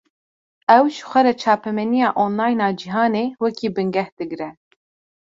Ew, ji xwe re çapemeniya online a cîhanê, wekî bingeh digre